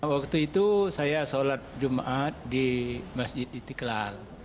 waktu itu saya sholat jumat di masjid istiqlal